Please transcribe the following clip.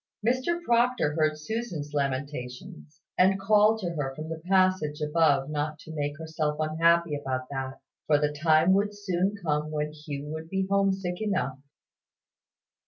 Mr Proctor heard Susan's lamentations, and called to her from the passage above not to make herself unhappy about that; for the time would soon come when Hugh would be homesick enough.